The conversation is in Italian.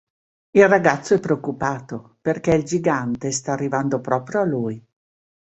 Il ragazzo è preoccupato, perché il Gigante sta arrivando proprio a lui.